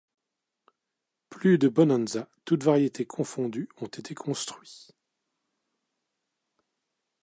Plus de Bonanza, toutes variantes confondues, ont été construits.